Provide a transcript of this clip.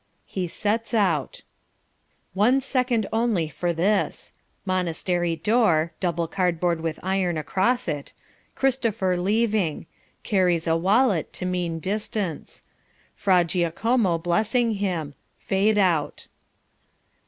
"He sets out." One second only for this. Monastery door (double cardboard with iron across it) Christopher leaving carries a wallet to mean distance. Fra Giacomo blessing him fade out.